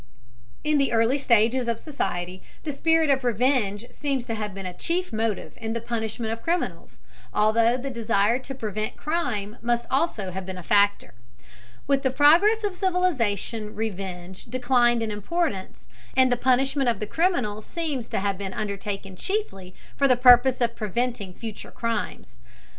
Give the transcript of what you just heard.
In the early stages of society the spirit of revenge seems to have been a chief motive in the punishment of criminals, although the desire to prevent crime must also have been a factor. With the progress of civilization revenge declined in importance, and the punishment of the criminal seems to have been undertaken chiefly for the purpose of preventing future crimes.